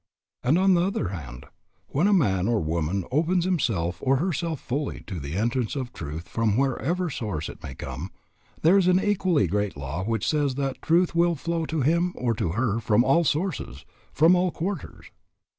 And on the other hand, when a man or a woman opens himself or herself fully to the entrance of truth from whatever source it may come, there is an equally great law which says that truth will flow in to him or to her from all sources, from all quarters.